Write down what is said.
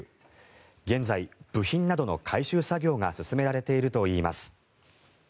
現在、部品などの回収作業が進められているといいます。